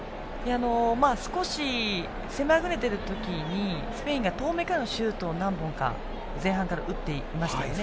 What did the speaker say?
少し攻めあぐねている時にスペインが遠めからのシュートを何本か前半から打っていましたよね。